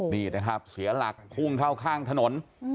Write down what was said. นี่นะครับเสียหลักพุ่งเข้าข้างถนน